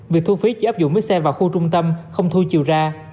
việc thu phí chỉ áp dụng với xe vào khu trung tâm không thu chiều ra